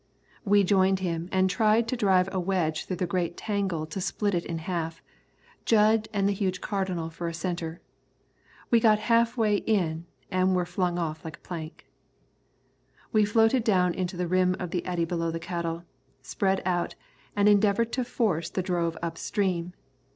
We joined him and tried to drive a wedge through the great tangle to split it in half, Jud and the huge Cardinal for a centre. We got half way in and were flung off like a plank. We floated down into the rim of the eddy below the cattle, spread out, and endeavoured to force the drove up stream.